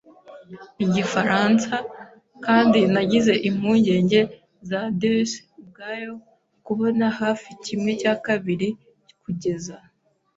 Igifaransa - kandi nagize impungenge za deuce ubwayo kubona hafi kimwe cya kabiri, kugeza